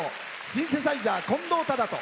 シンセサイザー、近藤斉人。